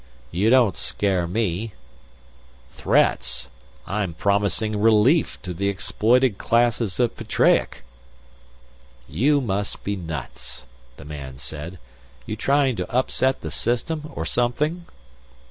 "You don't scare me." "Threats? I'm promising relief to the exploited classes of Petreac!" "You must be nuts," the man said. "You trying to upset the system or something?"